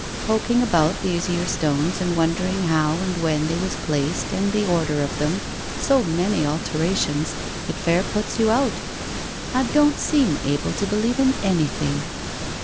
Poking about these here stones, and wondering how and when they was placed and the order of them — so many alterations !— it fair puts you out — I don't seem able to believe in anything!'